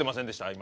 今。